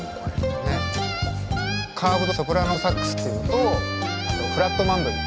カーブドソプラノサックスっていうのとあとフラットマンドリン。